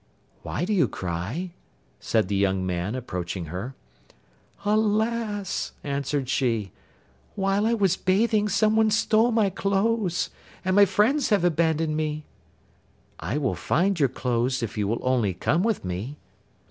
'Why do you cry?' said the young man, approaching her. 'Alas!' answered she, 'while I was bathing someone stole my clothes, and my friends have abandoned me.' 'I will find your clothes if you will only come with me.